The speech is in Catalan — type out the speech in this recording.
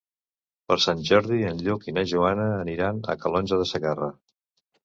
Per Sant Jordi en Lluc i na Joana aniran a Calonge de Segarra.